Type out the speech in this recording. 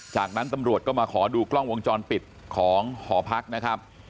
จากนั้นตำรวจก็มาขอดูกล้องวงจรปิดของหอพักนะครับ